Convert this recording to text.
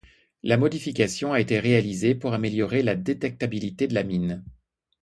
La modification a été réalisé pour améliorer la détectabilité de la mine.